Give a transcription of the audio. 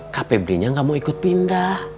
kp brinya nggak mau ikut pindah